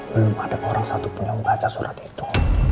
belum ada orang satupun yang membaca surat itu